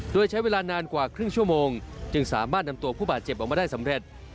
โดยใช้เวลานานกว่าครึ่งชั่วโมงจึงสามารถนำตัวผู้บาดเจ็บออกมาได้สำเร็จ